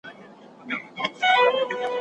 هره خبره په پټو سترګو مه منه.